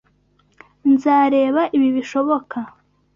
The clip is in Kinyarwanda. Nzareba ibi bishoboka.